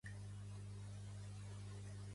Pertany al moviment independentista la Carmelina?